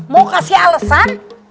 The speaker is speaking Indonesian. mau kasih alesan